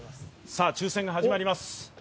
さあ抽選が始まります。